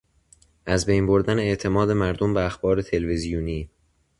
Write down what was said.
از بین بردن اعتماد مردم به اخبار تلویزیونی